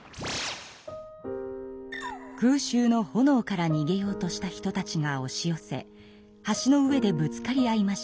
空襲のほのおからにげようとした人たちがおし寄せ橋の上でぶつかり合いました。